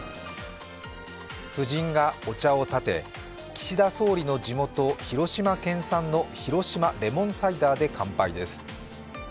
夫人がお茶をたて、岸田総理の地元広島県産の広島レモンサイダーで乾杯です。